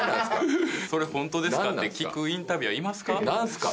それ、本当ですかって聞くインタビュアーいますか。